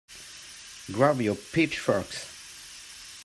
Grab your pitchforks!